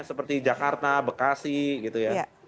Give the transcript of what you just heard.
seperti jakarta bekasi gitu ya